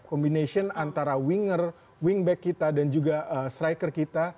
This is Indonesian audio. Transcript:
combination antara winger wingback kita dan juga striker kita